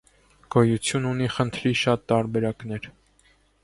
Գոյություն ունի խնդրի շատ տարբերակներ։